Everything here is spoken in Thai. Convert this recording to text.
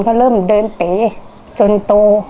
เขาเริ่มเดินเป๋จนโต